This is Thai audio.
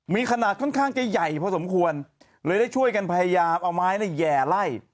มีขนาดค่อนข้างจะใหญ่พอสมควรเลยได้ช่วยกันพยายามเอาไม้แหย่ไล่